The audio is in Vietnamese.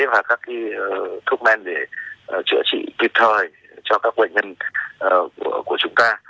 và các thuốc men để chữa trị tuyệt thời cho các bệnh nhân